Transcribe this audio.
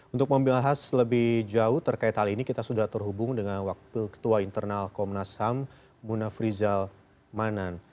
untuk membahas lebih jauh terkait hal ini kita sudah terhubung dengan wakil ketua internal komnas ham munafrizal manan